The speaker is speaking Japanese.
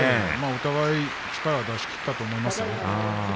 お互い力を出し切ったと思います。